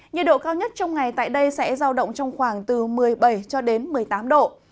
nhiệt độ cao nhất trong ngày tại đây sẽ giao động trong khoảng từ một mươi bảy cho đến một mươi tám độ